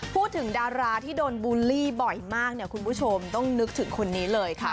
พูดถึงดาราที่โดนบูลลี่บ่อยมากเนี่ยคุณผู้ชมต้องนึกถึงคนนี้เลยค่ะ